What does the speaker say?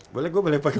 boleh gue boleh pake